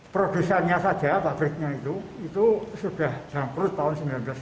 produsannya saja pabriknya itu itu sudah jangkrut tahun seribu sembilan ratus tiga puluh lima